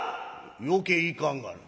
「余計いかんがな」。